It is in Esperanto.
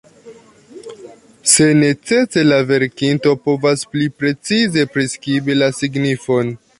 Se necese, la verkinto povas pli precize priskribi la signifon.